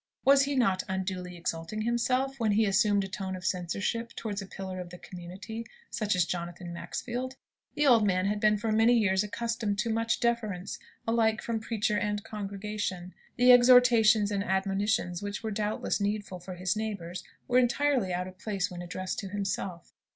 Was he not unduly exalting himself, when he assumed a tone of censorship towards such a pillar of the community as Jonathan Maxfield? The old man had been for many years accustomed to much deference, alike from preachers and congregation. The exhortations and admonitions which were doubtless needful for his neighbours, were entirely out of place when addressed to himself.